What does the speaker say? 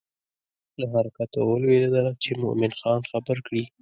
له حرکته ولوېدله چې مومن خان خبر کړي.